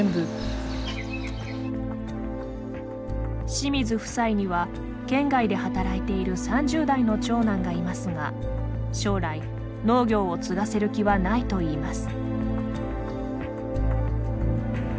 清水夫妻には県外で働いている３０代の長男がいますが将来、農業を継がせる気はないといいます。